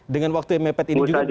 dengan waktu yang mepet ini juga